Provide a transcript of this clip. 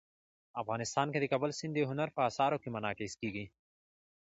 افغانستان کې د کابل سیند د هنر په اثار کې منعکس کېږي.